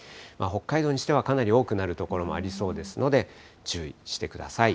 北海道にしてはかなり多くなる所もありそうですので、注意してください。